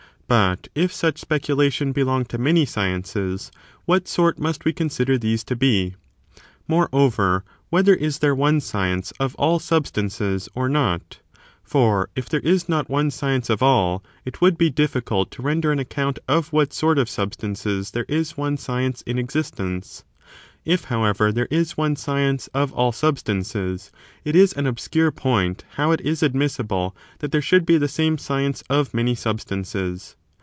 but if such speculation belong to many sciences, what sort must we consider these to be ? Moreover, whether is there one science of all sub stances,^ or not 1 for if there is not one science of all, it \v . iild be difl5cult to render an account of what sort of sub stances there is one science in existence; i^ however, there is one science of all substances, it is an obscure point how it is admissible that there should be the same science of many sub stances.